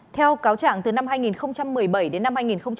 theo cáo trảng từ năm hai nghìn một mươi bảy đến năm hai nghìn một mươi chín